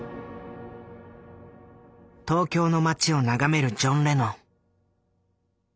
東京の街を眺めるジョン・レノン。